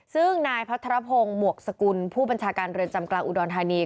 ซึ่งนายพัทรพงศ์หมวกสกุลผู้บัญชาการเรือนจำกลางอุดรธานี